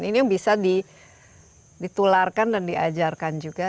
ini yang bisa ditularkan dan diajarkan juga